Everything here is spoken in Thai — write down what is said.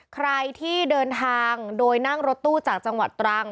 ใครที่เดินทางโดยนั่งรถตู้จากจังหวัดตรัง